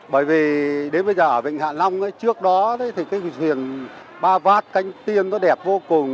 bởi vì đến bây giờ ở vịnh hạ long trước đó thì cái thuyền ba vát cánh tiên nó đẹp vô cùng